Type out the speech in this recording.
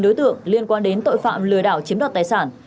một mươi chín đối tượng liên quan đến tội phạm lừa đảo chiếm đặt tài sản